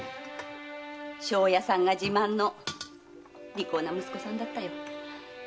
庄屋さんが自慢の利口な息子さんだったよ。